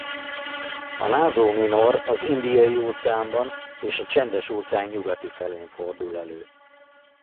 A Naso minor az Indiai-óceánban és a Csendes-óceán nyugati felén fordul elő.